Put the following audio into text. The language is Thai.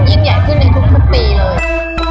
ยิ่งใหญ่ขึ้นในทุกปีเลย